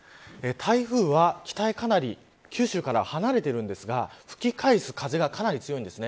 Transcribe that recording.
台風は、北へかなり九州から離れているんですが吹き返す風が、かなり強いです。